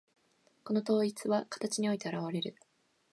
この統一は形において現われる。